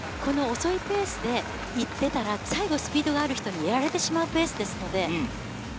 遅いペースで行っていたら最後スピードがある人にやられてしまうペースなので。